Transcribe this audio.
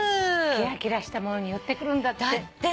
キラキラしたものに寄ってくるんだって。